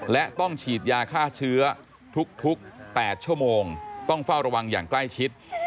และต้องฉีดยาฆ่าเชื้อทุก๘ชั่วโมงต้องเฝ้าระวังอย่างใกล้ชิด